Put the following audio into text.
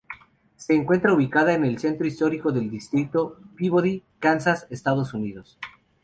Se encuentra ubicada en el Centro Histórico del Distrito de Peabody, Kansas, Estados Unidos.